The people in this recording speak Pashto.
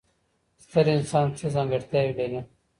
ستر انسان څه ځانګړتیاوې لري؟